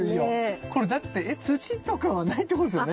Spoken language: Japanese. これだって土とかはないってことですよね？